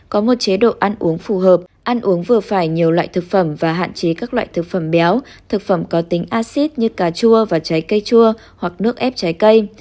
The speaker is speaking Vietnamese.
có một chế độ ăn uống phù hợp ăn uống vừa phải nhiều loại thực phẩm và hạn chế các loại thực phẩm béo thực phẩm có tính acid như cà chua và trái cây chua hoặc nước ép trái cây